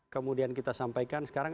kemudian kita sampaikan sekarang